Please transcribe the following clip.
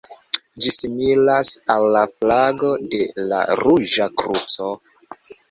Ĝi similas al la flago de la Ruĝa Kruco.